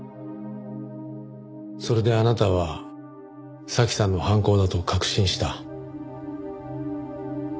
それであなたは早紀さんの犯行だと確信した。